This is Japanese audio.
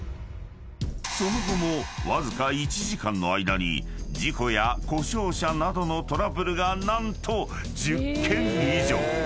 ［その後もわずか１時間の間に事故や故障車などのトラブルが何と１０件以上］